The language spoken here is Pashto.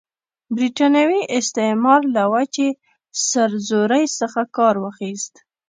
برټانوي استعمار له وچې سرزورۍ څخه کار واخیست.